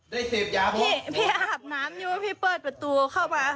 เสพยาพี่พี่อาบน้ำอยู่พี่เปิดประตูเข้ามา